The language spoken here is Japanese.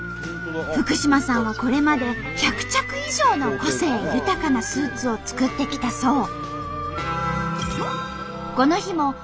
福嶋さんはこれまで１００着以上の個性豊かなスーツを作ってきたそう。